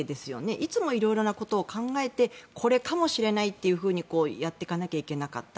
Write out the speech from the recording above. いつも、いろいろなことを考えてこれかもしれないことをやっていかなきゃいけなかった。